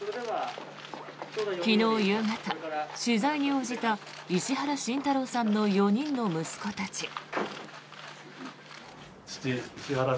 昨日夕方、取材に応じた石原慎太郎さんの４人の息子たち。